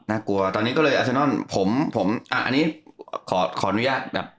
น่ากลัวตอนนี้ก็เลยออสเซนนอนผมอันนี้ขออนุญาต